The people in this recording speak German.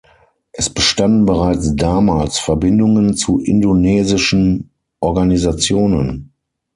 Es bestanden bereits damals Verbindungen zu indonesischen Organisationen.